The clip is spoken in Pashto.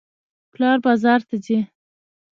پلار بازار ته ځي.